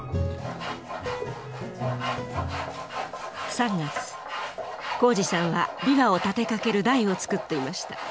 ３月宏司さんは琵琶を立てかける台を作っていました。